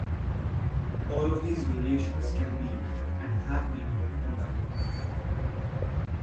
All of these variations can be, and have been, combined.